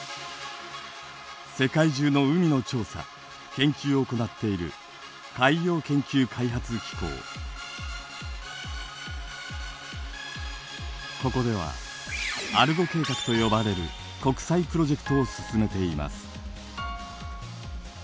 世界中の海の調査研究を行っているここでは「アルゴ計画」と呼ばれる国際プロジェクトを進めています。